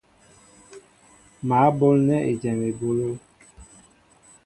Mă ɓolnέ ejém ebolo.